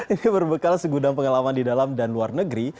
ini berbekal segudang pengalaman di dalam dan luar negeri